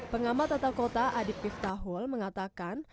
pengamat atakota adit piftahul mengatakan